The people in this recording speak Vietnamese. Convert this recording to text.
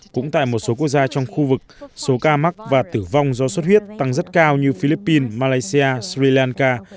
cũng tại một số quốc gia trong khu vực số ca mắc và tử vong do xuất huyết tăng rất cao như philippines malaysia sri lanka